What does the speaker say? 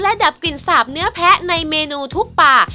ดับกลิ่นสาบเนื้อแพ้ในเมนูทุกป่า